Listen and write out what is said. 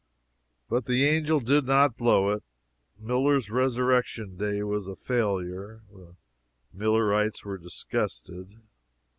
But the angel did not blow it. Miller's resurrection day was a failure. The Millerites were disgusted.